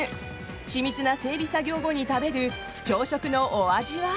緻密な整備作業後に食べる朝食のお味は？